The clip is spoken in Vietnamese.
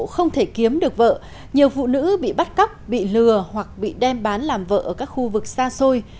không thể kiếm được vợ nhiều phụ nữ bị bắt cóc bị lừa hoặc bị đem bán làm vợ ở các khu vực xa xôi